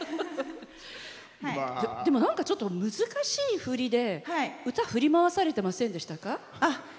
でも、なんかちょっと難しい振りで歌振り回されてませんでしたか？